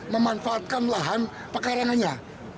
memanfaatkan lahan pekarangannya